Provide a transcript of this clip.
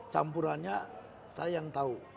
campurannya saya yang tahu